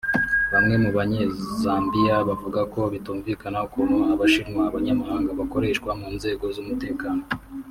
Bamwe mu banye-Zambia bavuga ko bitumvikana ukuntu abashinwa (abanyamahanga) bakoreshwa mu nzego z’umutekano